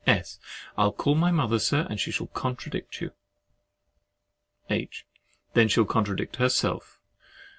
S. I'll call my mother, Sir, and she shall contradict you. H. Then she'll contradict herself.